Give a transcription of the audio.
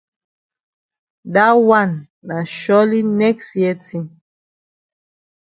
Dat wan na surely next year tin.